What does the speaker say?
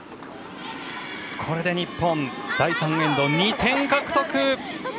これで日本、第３エンド２点獲得！